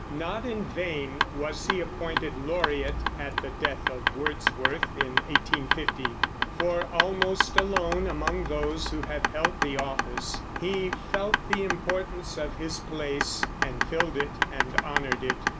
Not in vain was he appointed laureate at the death of Wordsworth, in 1850; for, almost alone among those who have held the office, he felt the importance of his place, and filled and honored it.